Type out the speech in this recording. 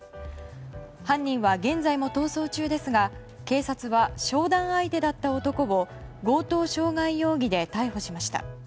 犯人は現在も逃走中ですが警察は、商談相手だった男を強盗傷害容疑で逮捕しました。